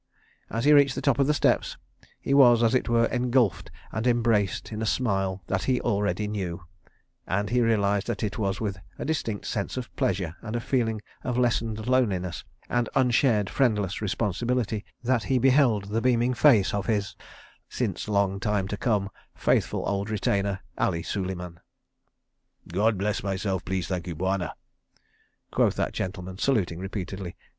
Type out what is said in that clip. As he reached the top of the steps he was, as it were, engulfed and embraced in a smile that he already knew—and he realised that it was with a distinct sense of pleasure and a feeling of lessened loneliness and unshared friendless responsibility that he beheld the beaming face of his "since long time to come" faithful old retainer Ali Suleiman. "God bless myself please, thank you, Bwana," quoth that gentleman, saluting repeatedly.